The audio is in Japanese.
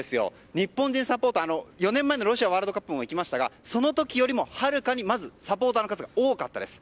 日本人サポーター、４年前のロシアワールドカップも行きましたがその時よりもはるかにまずサポーターの数が多かったです。